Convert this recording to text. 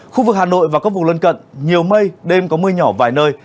khu vực hà nội và các vùng lân cận nhiều mây đêm có mưa nhỏ vài nơi